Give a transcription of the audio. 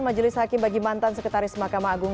majelis hakim bagi mantan sekretaris mahkamah agung